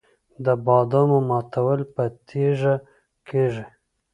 د بادامو ماتول په تیږه کیږي.